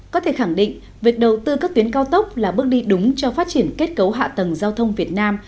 có thể khẳng định việc đầu tư các tuyến cao tốc là bước đi đúng cho phát triển kết cấu hạ tầng giao thông việt nam